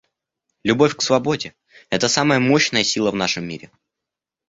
Любовь к свободе — это самая мощная сила в нашем мире.